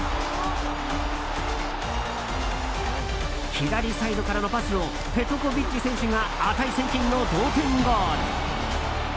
左サイドからのパスをペトコヴィッチ選手が値千金の同点ゴール。